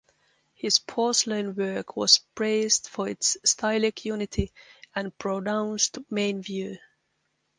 His porcelain work was praised for its stylistic unity and pronounced main view.